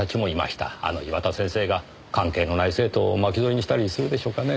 あの岩田先生が関係のない生徒を巻き添えにしたりするでしょうかねぇ？